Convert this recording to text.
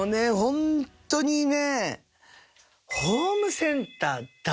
ホントにね。